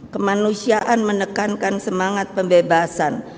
kemanusiaan menekankan semangat pembebasan